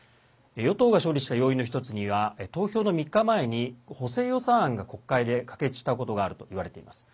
与党が勝利した要因の１つには投票の３日前に補正予算案が国会で可決したことがあるといわれています。